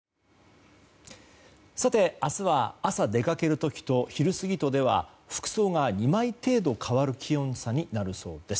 さて、明日は朝出かける時と昼過ぎとでは服装が２枚程度変わる気温差になるそうです。